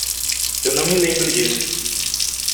Eu não me lembro disso.